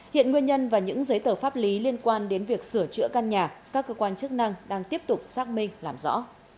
hiện nguyên nhân và những giấy tờ pháp lý liên quan đến việc sửa chữa căn nhà các cơ quan chức năng đang tiếp tục xác minh làm rõ